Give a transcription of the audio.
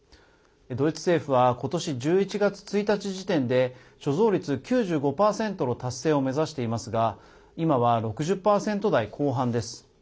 ドイツ政府は今年１１月１日時点で貯蔵率９５％の達成を目指していますが今は６０％台後半です。